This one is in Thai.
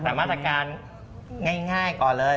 แต่มาตรการง่ายก่อนเลย